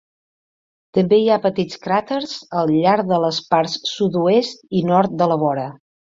També hi ha petits cràters al llarg de les parts sud-oest i nord de la vora.